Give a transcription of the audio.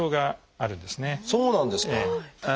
そうなんですか。